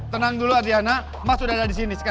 tenang dulu adiana mas udah ada disini sekarang ya